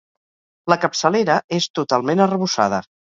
La capçalera és totalment arrebossada.